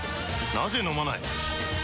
なぜ飲まない？